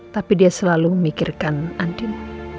tapi dia selalu memikirkan andin